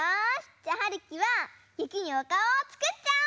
じゃあはるきはゆきにおかおをつくっちゃおう！